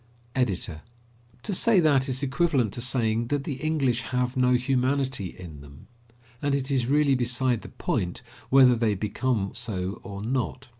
EDITOR: To say that is equivalent to saying that the English have no humanity in them. And it is really beside the point whether they become so or not.